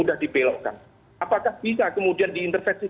apakah bisa kemudian diintervensi